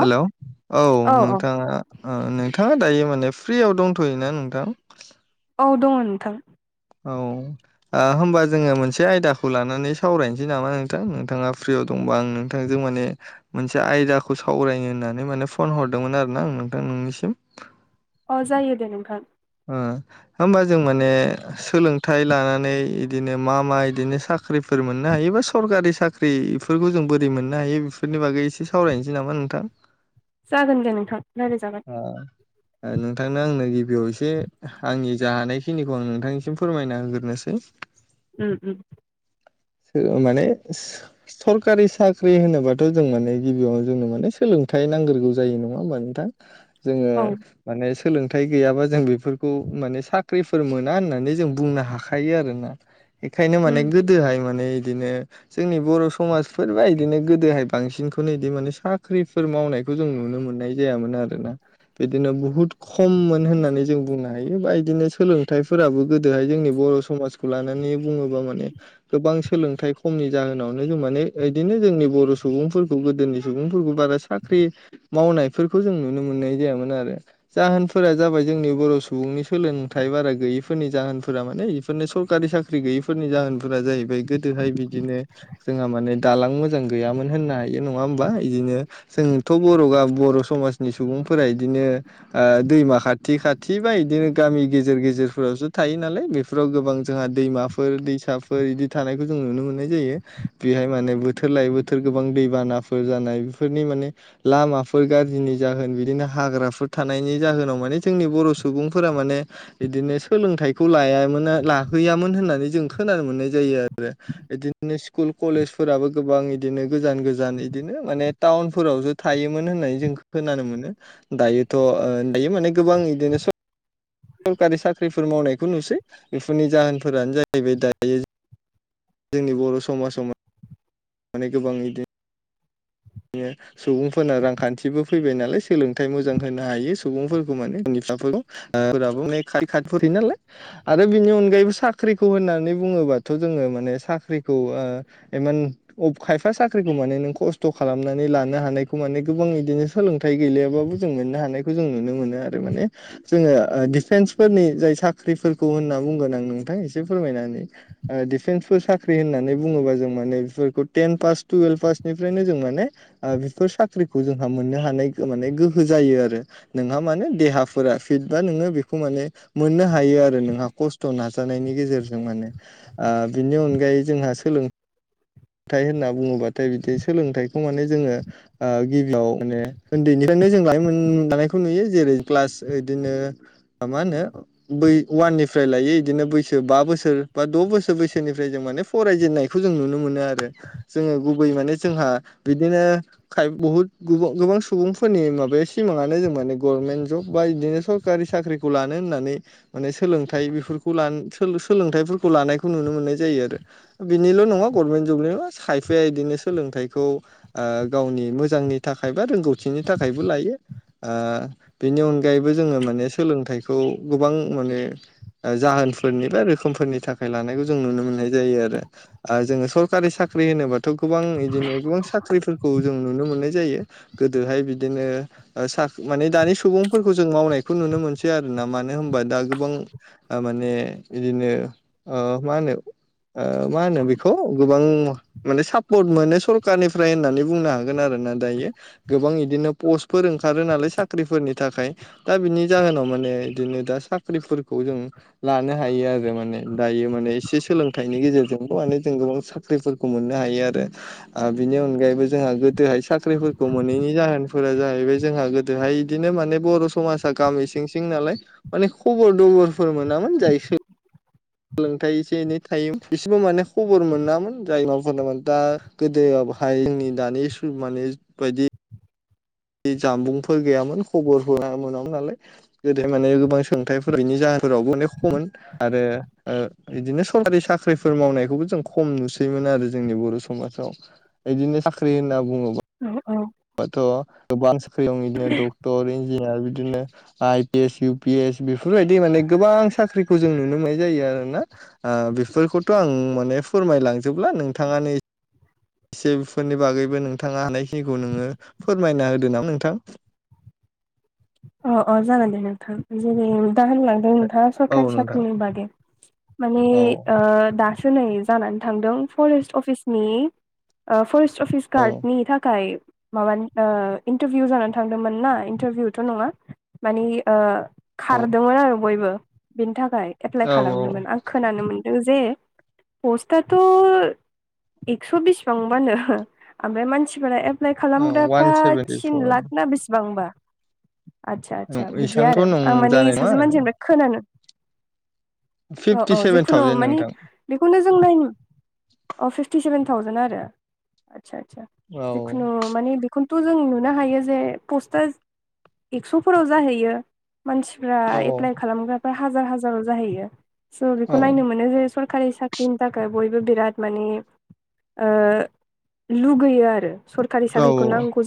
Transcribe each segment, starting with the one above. हेल' औ नोंथाङा आ नोंथाङा दायो माने फ्रियाव दंथ'योना नोंथां? औ दङ नोंथां। औ होनोमबा जोंङो मोनसे आयदाखौ लानानै सावरायनोसै नामा नोंथां नोंथाङा फ्रियाव होमबा आं नोंथांजों माने मोनसे आयदाखौ सावरायनो होननानै माने फन हरदोंमोन आरो ना आं नोंथां नोंनिसिम। अ जायो दे नोंथां। ओ होमबा जों माने सोलोंथाइ लानानै इदिनो मा मा बिदिनो सा ख्रिफोर मोननो हायो बा सरकारि साख्रिफोरखौ जों बोरै मोननो हायो बेफोरनि बागै एसे सावरायनोसै नामा नोंथां। [inaudible] जागोन दे नोंथां रायलायजागोन। नोंथांनो आंनो गिबियाव एसे आंनि ज हानायखिनिखौ आं नोंथांनिसिम फोरमायना होग्रोनोसै। [unintelligible] माने सरकारि साख्रि होनोबाथ' जों माने गिबियाव जोंनो माने सोलोंथाइ नांग्रोगौ जायो नङा होमब नोंथां जोंङो औ माने सोलोंथाइ गैयाबा जों बे बेफोरखौ माने साख्रिफोर मोना होननानै जों बुंनो हाखायो आरोना। बेखायनो माने उम गोदोहाय माने बिदिनो जोंनि बर' समाजफोरबा बिदिनो गोदोहाय बांसिनखौनो इदि माने साख्रि फोर मावनायखौ जों नुनो मोननाय जायामोन आरोना बिदिनो बुहुत खममोन होननानै जों बुंनो हायो बा बिदिनो सोलों थायफोराबो गोदोहाय जोंनि बर' समाजखौ लानानै बुङोब्ला माने गोबां सोलोंथाइ खमनि जाहोनावनो जों माने बिदिनो जोंनि बर' सुबुंफोरखौ गोदोनि सुबुंफोरखौ बारा साख्रि मावनायफोरखौ जों नुनो मोननाय जायामोन आरो जाहोनफोरा जाबाय जोंनि बर' सुबुंनि सोलोंथाइ बारा गैयिफोरनि जाहोनफोरा माने बेफोरनो सरकारि साख्रि गैयि फोरनि जाहोनफोरा जाहैबाय गोदोहाय बिदिनो जोंहा माने दालां मोजां गैयामोन होननो हायो नङा होमबा बिदिनो जोंथ' बर'गा बर' समाजनि सुबुंफोरा बिदिनो ओ दैमा खाथि खाथि थि बा बिदिनो गामि गेजेर गेजेरफोरावसो थायो नालाय बेफोराव गोबां जोंहा दैमाफोर दैसा फोर बिदि थानायखौ जों नुनो मोननाय जायो। बेहाय माने बोथोर लायै बोथोर गोबां दैबानाफोर जानाय बेफोरनि माने लामाफोर गाज्रिनि जाहोन बिदिनो हाग्राफोर थानायनि जाहोनाव माने जोंनि बर' सुबुंफोरा माने बिदिनो सोलोंथाइखौ लायामोन लाहैयामोन होननानै जों खोनानो मोननाय जायो आरो। बिदिनो स्कुल कलेजफोराबो गोबां इदिनो गोजान गोजान इदिनो माने टाउनफोरावसो थायोमोन होननानै जों खोनानो मोनो। दायोथ' ओ दायो माने गोबां इदिनो स सरखारि साख्रिफोर मावनायखौ नुसै बेफोरनि जाहोनफोरानो जाहैबाय दायो जोंनि बर' समाजाव म माने गोबां बिदिनो बिनो सुबुंफोरना रांखान्थिबो फैबाय नालाय सोलोंथाइ मोजां होनो हायो सुबुंफोरखौ माने बि बिफा बो खारि खाफोर है नालाय। आरो बिनि अनगायैबो साख्रिखौ होननानै बुङोबाथ' जोङो माने साख्रिखौ ओ इमान खायफा साख्रिखौ माने नों खस्थ' खालाम मनानै लानो हानायखौ माने गोबां बिदिनो सोलोंथाइ गैलयाबाबो जों मोननो हानायखौ जों नुनो मोनो आरो माने। जोङो डिफेन्सफोरनि जाय साख्रिफोरखौ होनना बुंगोन आं नोंथां एसे फोरमायनानै। डिफेन्सफोर साख्रि होननानै बुङोबा जों माने बेफोर बेखौ टेन पास टुयेल्भ पासनिफ्रायनो जों माने ओ बेफोर साख्रिखौ जोंहा मोननो हानाय माने गोहो जायो आरो। नोंहा माने देहाफोरा फिट बा नोङो बेखौ माने मोननो हायो आरो नोंहा खस्थ' नाजानायनि गेजेरजों माने। ओ बिनि अनगायै जोंहा सोलों थाय होनना बुङोबाथाय बिदि सोलोंथाइखौ माने जोङो ओ गिबियाव माने उन्दैनिफ्रायनो जों लाय मोनजानायखौ नुयो जेरै क्लास बिदिनो म मानो बै आननिफ्राय लायो बिदिनो बैसो बा बोसोर बा द' बोसोर बैसोनिफ्राय जों माने फरायजेननायखौ जों नुनो मोनो आरो जोङो गुबै माने जोंहा बिदिनो [unintelligible] गोबां सुबुंफोरनि माबे सिमाङानो जों माने गभर्नमेन्ट जब बा बिदिनो सर सरखारि साख्रिखौ लानो होननानै माने सोलोंथाइ बेफोरखौ ल सोलोंथाइफोरखौ लानायखौ नुनो मोननाय जायो आरो बिनिल' नङा गभर्नमेन्ट जबनिल' खायफाया बिदिनो सोलोंथाइखौ ओ गावनि मोजांनि थाखाय बा रोंगौथिनि थाखायबो लायो। बेनि अनगायैबो जोङो माने सोलोंथाइखौ गोबां माने जाहोनफोरनि बा रोखोमफोरनि थाखाय लानायखौ जों नुनो मोननाय जायो आरो। जोङो सरकारि साख्रि होनोबाथ' गोबां बिदिनो गोबां साख्रिफोरखौ जों नुनो मोननाय जायो। गोदोहाय बिदिनो। ओ साख्रि माने दानि सुबुंफोरखौ जों मावनायखौ नुनो मोनसै आरो ना मानो होनबा दा गोबां ओ माने बिदिनो ओ मा होनो ओ मा होनो बे गोबां माने सापर्ट मोनो सरखारारनिफ्राय होननानै बुंनो हागोन आरो ना दायो गोबां बिदिनो पस्टफोर ओंखारो नालाय साख्रिफोरनि थाखाय दा बिनि जाहोनाव माने बिदिनो दा साख्रिफोरखौ जों लानो हायो आरो माने दायो माने एसे सोलोंथाइनि गेजेरजोंबो माने गोबां साख्रिफोरखौ मोननो हायो आरो बिनि अनगायैबो जोंहा गोदोहाय साख्रिफोरखौ मोनैनि जाहोनफोरा जाहैबाय जोंहा गोदोहाय बिदिनो माने बर' समाज गामि सिं सिं नालाय मान खबर दबर मोनामोन जाय सोलोंथाइ एसे एनै टाइम बिसेबो माने खबर मोनामोन जाय माफोरनाामान दा गोदोहाय जोंनि दानि मानि बायदि बे जानबुंफोर गैयामोन खबर हो मोनामोन नालाय गोदो माने गोबां सोंथाइफोरनि जाहोनफोरावबो अनेक खममोन आरो बिदिनो सरखारि साख्रिफोर मावनायखौबो जों खम नुसैमोन आरो जोंनि बर' समाजाव बिदिनो साख्रि होनना बुङोब्ला अ अ हाथ' गोबां सख्रि दं बिदिनो डक्टर इन्जिनियार बिदिनो I P S U P S बेफोरबायदि माने गोबां साख्रिखौ जों नुनो मोननाय जायो आरोना बेफोरखौथ' आं माने फोरमायलांजोबब्ला नोंथाङानि एसे बेफोरनि बागैबो नोंथाङा हानायखिनिखौ नोङो फोरमायना होदो नामा नोंथां अ अ जागा दे नोंथां जेर दान ला नोथाङा औ सोरखारि नोंथां साख्रिनि बागै औ स नै जानानै थांदों फरेस्ट अफिसनि फरेस्ट अफिस औ गार्डनि थाखाय माबानि इन्टारभिउ जानानै थांदोंमोन ना इन्टारभिउथ' नङा मानि औ खारदोंमोन आरो बयबो बेनि थाखाय एप्लाइ औ खालामदोंमोन आं खोनानो मोनदों जे पस्टआथ' एक्स' बिसबांबानो ओमफ्राय मानसिफोरा ए एप्लाइ औ वान खालामग्राफ्रा सेभेेनटि थिन फर लाख ना बेसेबांबा आतसा आदसा बिदि आरो इसांथ' नं आं मानिे जानाय सासे नङा मानसिनिफ्राय खोनानो अ फिफ्टि औ सेभेन जेखुनु थावजेन मानि नोंथां बेखौनो जों नायनो अ फिफटि सेभेन थावजेन आरो आचसा आदसा औ जिखुनु माने बेखौनोथ' जों नुनो हायो जे पस्टार एक्स'फोराव जाहैयो मानसिफ्रा औ एप्लाइ खालामग्राफ्रा हाजार हाजाराव जाहैयो स बेखौ औ नायनो मोनो जे स सरखारि साख्रिनि थाखाय बयबो बिराद माने लुगैयो आरो सरखारि औ साख्रिखौ नांगौ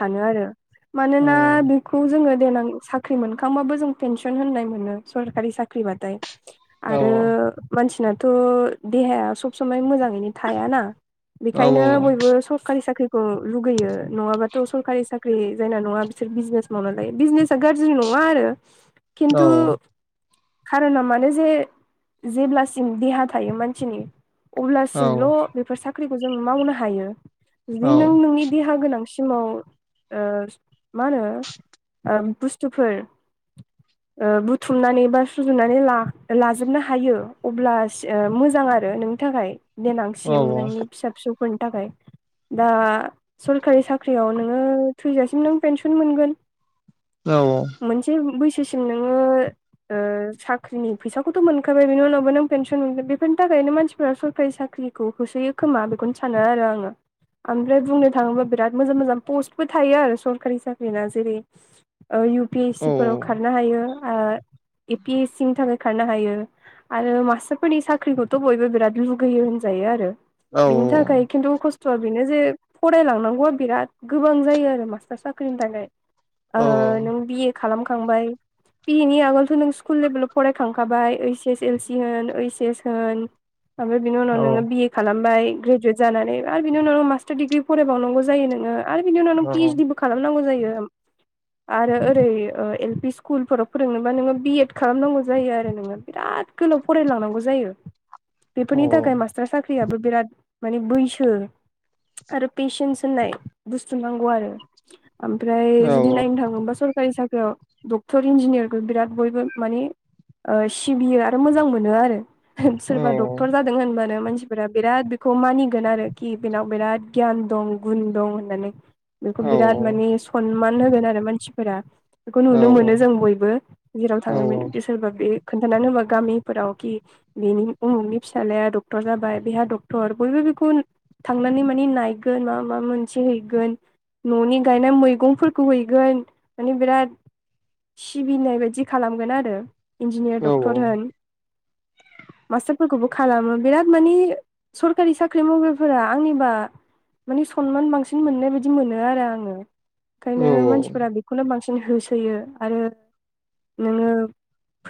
सानो आरो औ मानोना जोङो देनां साख्रि मोनखांबाबो जों पेनसन होन्नाय मोनो सरकारि साख्रिबाथाय औ आरो मानसिनाथ' देहाया सब समाय मोजाङैनो थायाना औ बेखायनो औ बयबो सरकारि साख्रि खौ लुगैयो नङाबाथ' सरकारि साख्रि जायना नङा बिसोर बिजनेस माबालाय बिजनेसा गाज्रि नङा आरो औ किन्थु खारना मानो जे जेब्लासिम देहा थायो मानसिनि अब्लासिमल' बेफोर साख्रिखौ जों मावनो हायो । औ जुदि नों नोंनि देहा गोनांसिमाव मा होनो बुस्थुफोर [unintelligible] बुथुमनानै बा सुजुनानै ला लाजोबनो हायो अब्ला मोजां आरो नों थाखाय औ देनांसिम नोंनि फिसा फिसौफोरनि थाखाय दा सरखारि साख्रियाव नोङो थुइजासिम नों पेेनसन मोनगोन औ औ मोनसे बैसोसिम नोङो ओ साख्रिनि फैसाखौथ' मोनखाबाय बेनि उनावबो नों पेेनसन मोनगोन बेफोरनि थाखायनो मानसिफोरा सरखारि साख्रि खौ होसोयो खोमा बेखौनो सानो आरो आङो । ओमफ्राय बुंनो थाङोब्ला बिराद मोजां मोजां पस्टबो थायो आरो सरकारि साख्रि ना जेरै इउ पि एस औ सि फोराव खारनो हायो ए पि एस सि नि थाखाय खारनो हायो । आरो मास्टारफोरनि साख्रिखौथ' बयबो बिराद लुगैयो होनजायो आरो औ बिनि थाखाय । खिन्थु खस्थ'आ बेनो जे फरायलांनांगौआ बिराद गोबां जायो आरो मास्टार साख्रिनि थाखाय औ ओ नों बिए खालामखांबाय बिनि आगोलथ' नों स्कुल लेभेलाव फरायखांखाबाय ओइस एस एल सि, होन ओइस एस होन बिनि औ उनाव बिए खालामबाय ग्रेजुवेट जानानै आरो बिनि उनाव मास्टार डिग्रि फरायबावनांगौ जायो नोङो आरो बिनि उनाव नों पिओइसडि ब खालामनांगौ जायो । आरो ओरै एल पि स्कुलफोराव फोरोंनोबा नोङो बि एड खालामनांगौ जायो आरो नोङो बिराद गोलाव फरायलांनांगौ जायो । बेफोरनि थाखाय मास्टार साख्रियाबो बिराद माने बैसो आरो पेसेन्स होननाय बुस्थु नांगौ आरो ओमफ्राय नायनो थाङोबा सरकारि साख्रियाव डक्टर इन्जिनियारखौ बिराद बयबो माने सिबियो आरो मोजां मोनो आरो सोरबा डक्टर जादों होनबानो मानसि बिराद बेखौ मानिगोन आरोखि बेनाव बिराद गियान दं गुन दं होननानै बेखौ बिराद माने सनमान होगोन आरो मानसिफोरा बेखौ नुनो मोनो जों बयबो जेराव थाङोमोन सोरबा बे खोन्थानानै होबा गामिफोराव कि बेनि उमुखनि फिस्लाया डक्टर जाबाय बेहा डक्टर बयबो बेखौ थांनानै माने नायगोन मा माबा मोनसे हैगोन न'नि गायनाय मैगंफोर खौ हैगोन माने बिराद सिबिनाय बायदि खालामगोन आरो । इन्जिनियार डक्टर होन मास्टारफोरखौबो खालामो बिराद माने सरखारि साख्रि मावग्रिफोरा आंनिबा माने सनमान बांसिन मोननाय बायदि मोनो आरो आङो । ओंखायनो मानसिफोरा बेखौनो बांसिन होसोयो आरो नोङो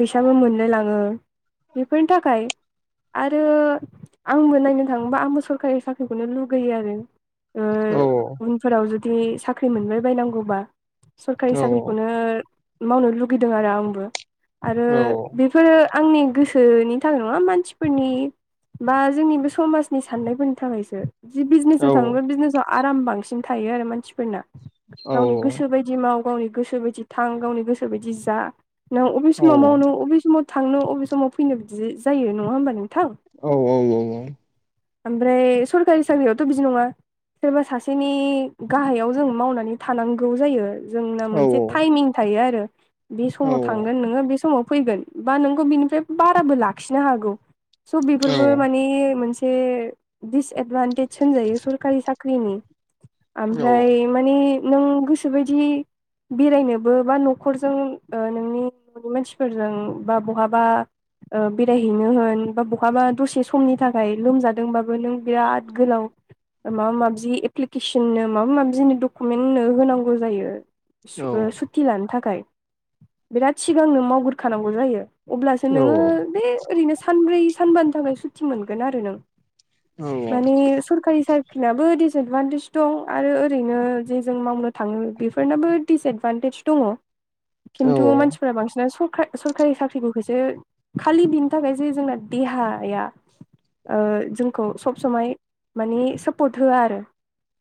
फैसाबो मोनलाय लाङो बेफोरनि थाखाय आरो आंबो नायनो थाङोबा आंबो सरकारि साख्रिखौनो लुगैयो आरो ओ उनफोराव जुदि साख्रि मोनबाय बायनांगौबा सरखारि साख्रिखौनो मावनो लुगैदों आरो आंबो। आरो बेफोरो आंनि गोसोनि थाखाय नङा मानसिफोरनि बा जोंनि बे समाजनि साननायफोरनि थाखायसो। जि बिजनेसाव थाङोब्ला बिजनेसाव आराम बांसिन थायो आरो मानसिफोरना गावनि गोसो बायदि बिदि माव गावनि गोसो बायदि थां गावनि गोसो बायदि जा नों अबे समाव मावनो बबे समाव थांनो अबे समाव फैनो बिदि जायो नङा होमबा नोंथां? औ औ औ औ। ओमफ्राय सरखारि साख्रियावथ' बिदि नङा सोरबा सासेनि गाहायाव जों मावनानै थानांगौ जायो जोंना मोनसे टाइमिं थायो आरो बे समाव थांगोन नोङो बे समाव फैगोन बा नोंखौ बिनिफ्राय बाराबो लाखिनो हागौ। स' बेफोरबो माने मोनसे दिसएदभान्टेज होनजायो सरखारि साख्रिनि ओमफ्राय माने नों गोसोबायदि बेरायनोबो बा न'खरजों नोंनि नि मानसिफोरजों बा बहाबा ओ बेरायहैनो होन बा बहाबा दसे समनि थाखाय लोमजादोंबाबो नों बिराद गोलाव माबा माबि एप्लिकेसननो माबा माबि कमेन्न होनो होनांगौ जायो सुथि लानो थाखाय बिराद सिगांनो मावग्रो खानांगौ जायो। अब्लासो नोङो बे ओरैनो सानब्रै सानबानि थाखाय सुटि मोनगोन आरो नों। माने सरखारि साखाख्रिनाबो डिसएदभान्टेज दं आरो ओरैनो जे जों मावनो थाङो बेफोरनाबो दिडिसएदभान्टेज दङ। खिन्थु मानसिफोरा बांसिन सरखार सरखारि साख्रिफोरखौसो खालि बिनो थाखायसे जोंना देहाया जोंखौ सब समाय माने सापर्ट होआ आरो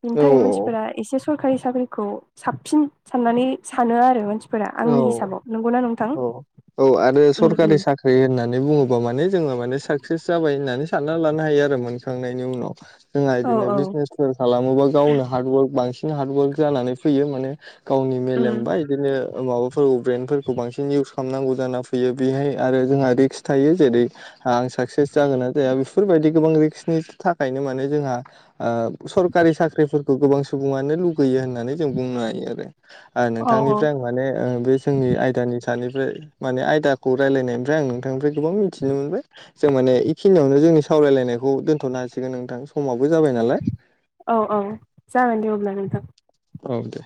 औ बिनि थाखाय मानसिफोरा एसे सरखारि साख्रिखौ साबसिन साननानै सानो आरो मानसि फोर आंनि औ औ हिसाबाव नंगौना नोंथां? औ औ आरो सरखारि साख्रि होननानै बुङोबा माने जोङो माने साक्सेस जाबाय होननानै सानना लानो हायो आरो मोनखांनायनि उनाव जोंहा औ बिदिनो औ बिजनेसफोर खालामोबा गावनो हार्दवर्क बांसिन हार्डवर्क जानानै फैयो माने गावनि मेलेम उम बा बिदिनो माबाफोरखौ ब्रेन्डफोरखौ बांसिन इउस खालामनांगौ जाना फैयो बेहाय आरो जोंहा रिक्स थायो जेरै आं साक्सेस जागोन ना जाया बेफोरबायदि गोबां रिक्सनि थाखायनो माने जोंहा सरखारि साख्रिफोरखौ गोबां सुबुङानो लुगैयो होननानै जों बुंनो हायो आरो औ औ नोंथांनिफ्राय आं माने बे जोंनि आयदानि सानिफ्राय माने आयदाखौ रायलायनायनिफ्राय आं नोंथांनिफ्राय गोबां मिथिनो मोनबाय। जों माने बेखिनियावनो जोंनि सावरायलायनायखौ दोनथ'नो हासिगोन नोंथां समाबो जाबाय नालाय। औ औ जागोन दे अब्ला नोंथां। औ दे।